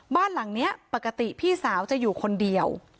บ้านหลังนี้ปกติพี่สาวจะอยู่คนเดียว